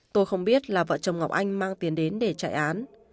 tôi không biết là vợ chồng ngọc anh mang tiền đến để chạy án